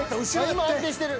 今安定してる。